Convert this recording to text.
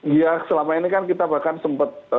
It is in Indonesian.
ya selama ini kan kita bahkan sempat